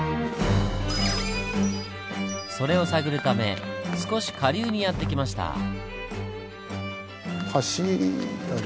それを探るため少し下流にやって来ました。